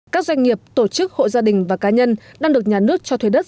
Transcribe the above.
các doanh nghiệp tổ chức hộ gia đình và cá nhân đang được nhà nước cho thuê đất